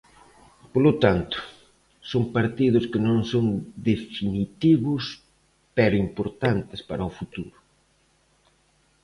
Polo tanto, son partidos que non son definitivos pero importantes para o futuro.